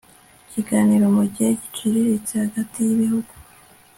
ikiganiro mu gihe giciriritse hagati yibihugu